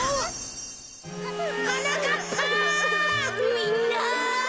みんな！